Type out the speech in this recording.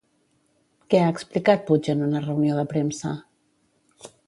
Què ha explicat Puig en una reunió de premsa?